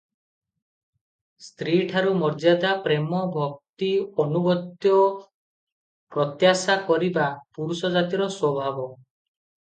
ସ୍ତ୍ରୀଠାରୁ ମର୍ଯ୍ୟାଦା, ପ୍ରେମ, ଭକ୍ତି ଆନୁଗତ୍ୟ ପ୍ରତ୍ୟାଶା କରିବା ପୁରୁଷଜାତିର ସ୍ୱଭାବ ।